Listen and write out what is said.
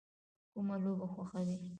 کومه لوبه خوښوئ؟